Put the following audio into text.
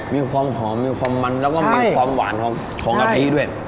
มีความหอมมีความมันแล้วก็มีความหวานของกะทิด้วย